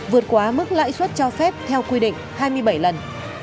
vượt quá mức lãi suất cho phép theo quy định hai mươi bảy lần